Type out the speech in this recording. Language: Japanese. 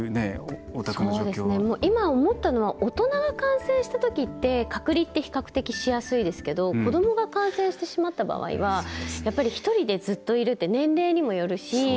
今思ったのは大人が感染したときは隔離って比較的しやすいですけど子どもが感染してしまった場合は１人でずっといるって年齢にもよるし。